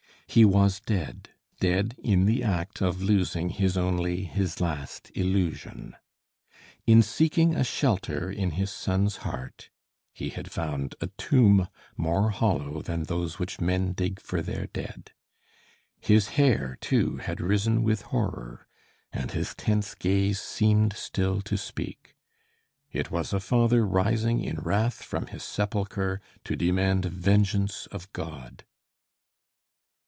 He was dead, dead in the act of losing his only, his last illusion. In seeking a shelter in his son's heart he had found a tomb more hollow than those which men dig for their dead. His hair, too, had risen with horror and his tense gaze seemed still to speak. It was a father rising in wrath from his sepulchre to demand vengeance of God.